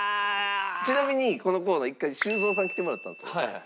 ちなみにこのコーナー１回修造さんに来てもらったんですよ。